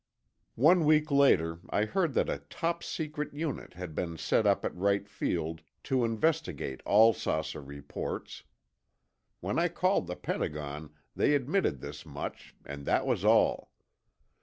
One week later, I heard that a top secret unit had been set up at Wright Field to investigate all saucer reports. When I called the Pentagon, they admitted this much, and that was all.